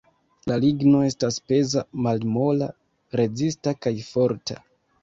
La ligno estas peza, malmola, rezista kaj forta.